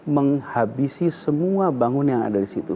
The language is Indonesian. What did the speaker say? menghabisi semua bangun yang ada di situ